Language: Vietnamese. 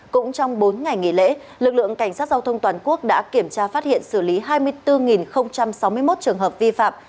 cũng trong bốn ngày nghỉ lễ lực lượng cảnh sát giao thông toàn quốc đã kiểm tra phát hiện xử lý hai mươi bốn sáu mươi một trường hợp vi phạm